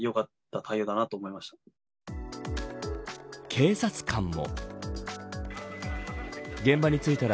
警察官も。